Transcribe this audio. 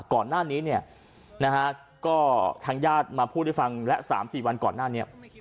ก่อนหน้านี้เนี่ยนะฮะก็ทางญาติมาพูดให้ฟังและ๓๔วันก่อนหน้านี้